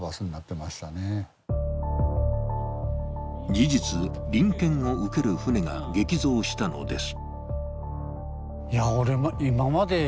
事実、臨検を受ける船が激増したのです。